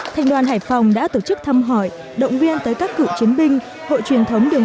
thành đoàn hải phòng đã tổ chức thăm hỏi động viên tới các cựu chiến binh hội truyền thống đường